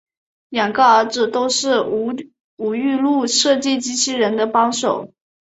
两个儿子都是吴玉禄设计机器人的帮手。